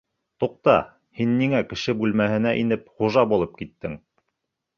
Туҡта, һин ниңә кеше бүлмәһенә инеп хужа булып киттең?